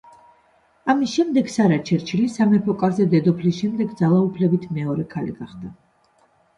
ამის შემდეგ სარა ჩერჩილი სამეფო კარზე დედოფლის შემდეგ ძალაუფლებით მეორე ქალი გახდა.